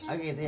oh gitu ya